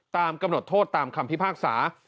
กำหนดโทษตามคำพิพากษา